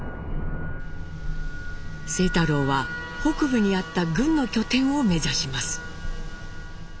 清太郎は北部にあった軍の拠点を目指します。